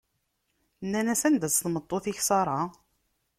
Nnan-as: Anda-tt tmeṭṭut-ik Ṣara?